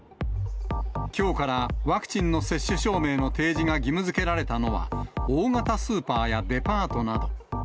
きょうからワクチンの接種証明の提示が義務づけられたのは、大型スーパーやデパートなど。